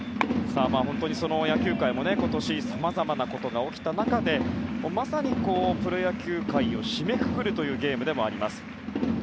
野球界も今年さまざまなことが起きた中でプロ野球界を締めくくるゲームでもあります。